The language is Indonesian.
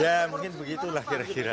ya mungkin begitulah kira kira